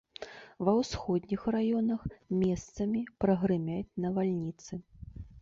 Ва ўсходніх раёнах месцамі прагрымяць навальніцы.